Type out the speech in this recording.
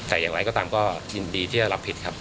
แต่อย่างไรก็ตามก็ยินดีที่จะรับผิดครับ